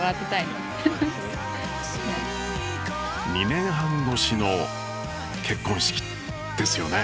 ２年半越しの結婚式ですよね。